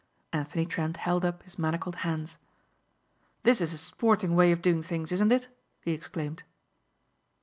Anthony Trent held up his manacled hands. "This is a sporting way of doing things, isn't it?" he exclaimed.